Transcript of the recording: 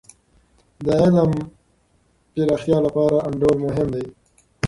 د علم د پراختیا لپاره د انډول مهم دی.